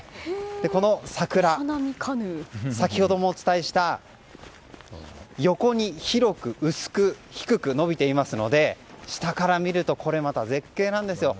この桜、先ほどもお伝えした横に広く薄く低く伸びていますので下から見るとこれまた絶景なんですよ。